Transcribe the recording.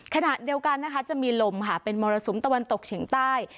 ขณะเดียวกันนะคะจะมีลมค่ะเป็นมรสุมตะวันตกเฉียงใต้